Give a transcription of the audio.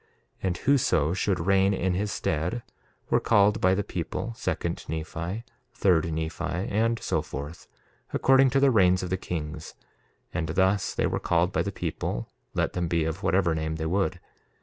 And whoso should reign in his stead were called by the people, second Nephi, third Nephi, and so forth, according to the reigns of the kings; and thus they were called by the people, let them be of whatever name they would.